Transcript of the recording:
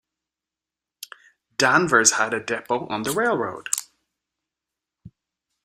Danvers had a depot on the railroad.